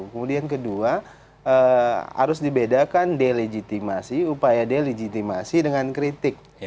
kemudian kedua harus dibedakan delegitimasi upaya delegitimasi dengan kritik